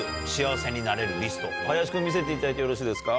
林君見せていただいてよろしいですか？